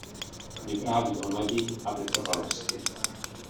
Vypráví o naději a vytrvalosti.